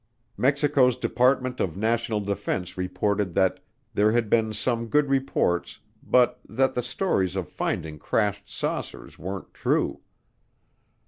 Mexico's Department of National Defense reported that there had been some good reports but that the stories of finding crashed saucers weren't true.